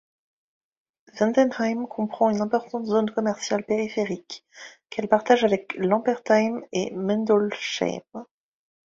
Vendenheim comprend une importante zone commerciale périphérique, qu'elle partage avec Lampertheim et Mundolsheim.